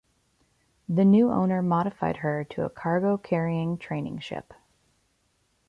The new owner modified her to a cargo-carrying training ship.